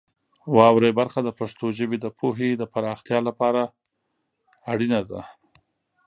واورئ برخه د پښتو ژبې د پوهې د پراختیا لپاره اړینه ده.